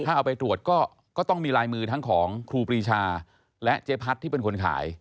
ถ้าเอาไปตรวจก็ต้องมีลายมือทั้งของครูปรีชาและเจ๊พัดที่เป็นคนขาย